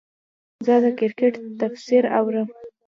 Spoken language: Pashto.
زه د کرکټ تفسیر اورم.